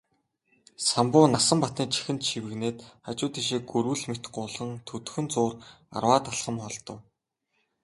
Самбуу Насанбатын чихэнд шивгэнээд хажуу тийшээ гүрвэл мэт гулган төдхөн зуур арваад алхам холдов.